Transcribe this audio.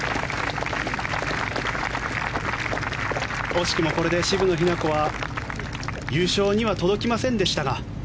惜しくもこれで渋野日向子は優勝には届きませんでしたが。